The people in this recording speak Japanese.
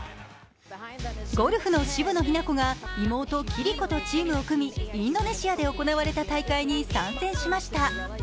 ゴルフの渋野日向子が妹の暉璃子とチームを組み、インドネシアで行われた大会に参戦しました。